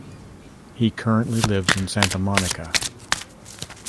He currently lives in Santa Monica.